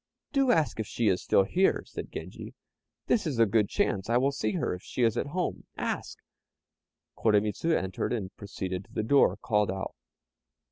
"Do ask if she is still here," said Genji; "this is a good chance; I will see her if she is at home ask!" Koremitz entered, and proceeding to the door, called out.